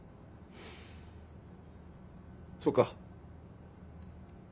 そうか。